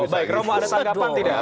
baik romo ada tanggapan tidak